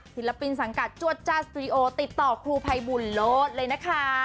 ศิลปินสังกัดจวดจาสตรีโอติดต่อครูภัยบุญโลศเลยนะคะ